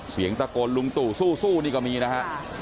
เสียงตะโกนลุงตู่สู้นี่ก็มีนะฮะ